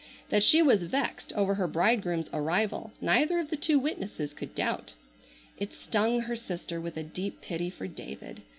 That she was vexed over her bridegroom's arrival neither of the two witnesses could doubt. It stung her sister with a deep pity for David.